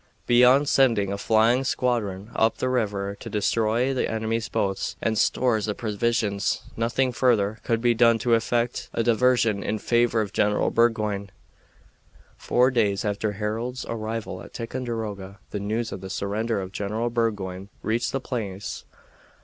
Beyond sending a flying squadron up the river to destroy the enemy's boats and stores of provisions, nothing further could be done to effect a diversion in favor of General Burgoyne. Four days after Harold's arrival at Ticonderoga the news of the surrender of General Burgoyne reached the place.